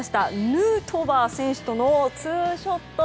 ヌートバー選手とのツーショット。